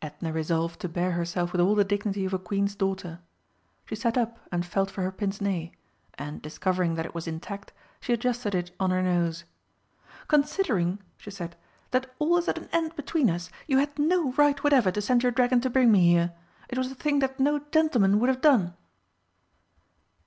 Edna resolved to bear herself with all the dignity of a Queen's daughter. She sat up and felt for her pince nez, and, discovering that it was intact, she adjusted it on her nose. "Considering," she said, "that all is at an end between us, you had no right whatever to send your dragon to bring me here. It was a thing that no gentleman would have done!"